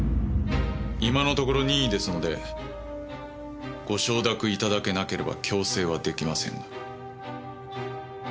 今のところ任意ですのでご承諾頂けなければ強制は出来ませんが。